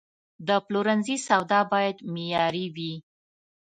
د پلورنځي سودا باید معیاري وي.